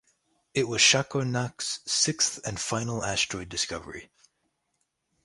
It was Chacornac's sixth and final asteroid discovery.